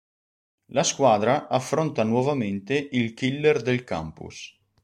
La squadra affronta nuovamente il killer del campus.